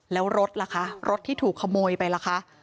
แล้วรถล่ะคะรถที่ถูกขโมยไปล่ะคะ